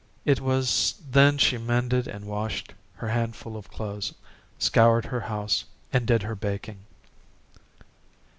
It was then she mended and washed her handful of clothes, scoured her house, and did her baking.